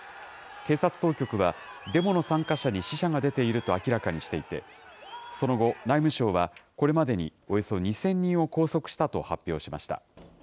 警察当局は、デモの参加者に死者が出ていると明らかにしていて、その後、内務省はこれまでにおよそ２０００人を拘束したと発表しました。